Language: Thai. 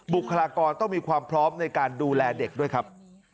บุคลากรต้องมีความพร้อมในการดูแลเด็กด้วยครับ